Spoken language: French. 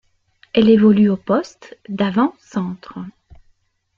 Elle évolue au poste d'avant centre.